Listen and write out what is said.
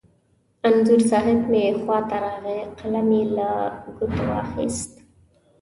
انځور صاحب مې خوا ته راغی، قلم یې له ګوتو واخست.